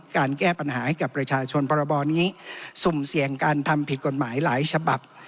แก้ปัญหาให้กับประชาชนพรบนี้สุ่มเสี่ยงการทำผิดกฎหมายหลายฉบับ